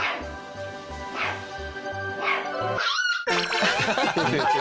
ハハハハ！